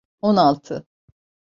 On altı.